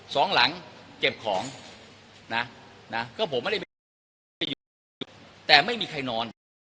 สองหลังเก็บของนะก็ผมไม่ได้ไปอยู่แต่ไม่มีใครนอน